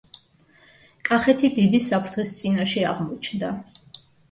კახეთი დიდი საფრთხის წინაშე აღმოჩნდა.